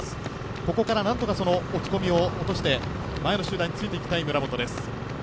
ここから何とか落ち込みを落として前の集団についていきたい村本です。